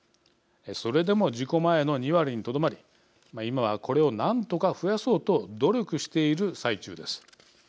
それでも事故前の２割にとどまり今は、これを何とか増やそうと努力している最中です。